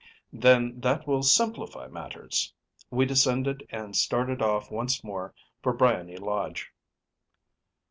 ‚ÄĚ “Then that will simplify matters.‚ÄĚ We descended and started off once more for Briony Lodge.